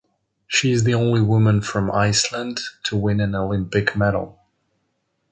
She is the only woman from Iceland to win an Olympic medal.